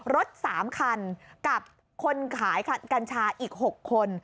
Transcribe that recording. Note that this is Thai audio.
รถ๓คันกับคนขายกัญชาอีก๖คน